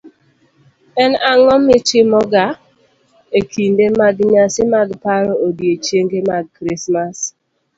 En ang'o mitimoga e kinde mag nyasi mag paro odiechienge mag Krismas?